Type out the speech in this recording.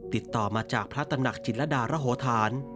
ติดต่อมาจากพระตำหนักจิตรดารโหธาน